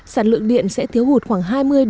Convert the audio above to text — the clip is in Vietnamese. sản lượng điện sẽ thiếu hụt khoảng hai mươi ba mươi